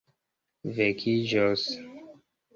vekiĝos